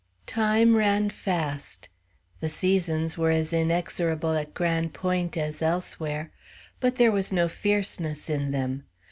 Time ran fast. The seasons were as inexorable at Grande Pointe as elsewhere. But there was no fierceness in them.